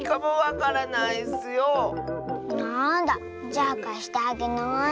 じゃあかしてあげない。